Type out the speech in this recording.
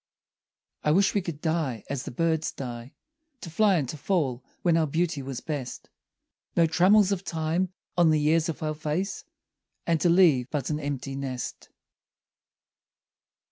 I wish we could die as the birds die, To fly and to fall when our beauty was best: No trammels of time on the years of our face; And to leave but an empty nest.